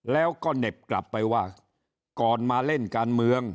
แล้วก็เหน็บกลับไปว่าก่อนมาเล่นการเมือง